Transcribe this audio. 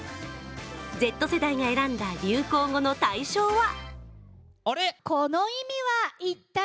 Ｚ世代が選んだ流行語の大賞は？